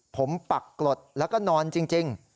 ผมปักกรดแล้วก็นอนจริง